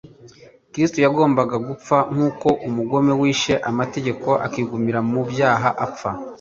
Kristo yagombaga gupfa nk'uko umugome wishe amategeko akigumira mu byaha apfa.